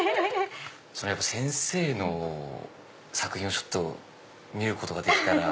先生の作品をちょっと見ることができたら。